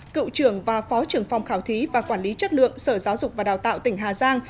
cựu trưởng và phó trưởng phòng khảo thí và quản lý chất lượng sở giáo dục và đào tạo tỉnh hà giang